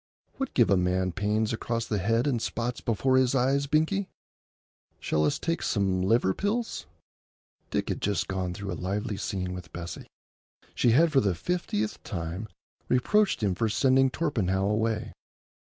What give a man pains across the head and spots before his eyes, Binkie? Shall us take some liver pills?" Dick had just gone through a lively scene with Bessie. She had for the fiftieth time reproached him for sending Torpenhow away.